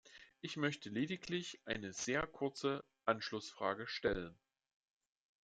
Ich möchte lediglich eine sehr kurze Anschlussfrage stellen.